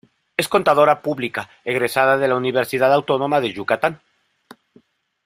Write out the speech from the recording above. Es contadora pública, egresada de la Universidad Autónoma de Yucatán.